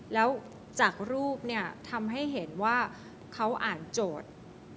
แล้วจากรูปเนี่ยทำให้เห็นว่าเขาอ่านโจทย์